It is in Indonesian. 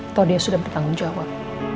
atau dia sudah bertanggung jawab